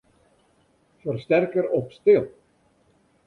Fersterker op stil.